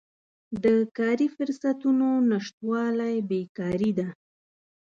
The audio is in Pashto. د کاري فرصتونو نشتوالی بیکاري ده.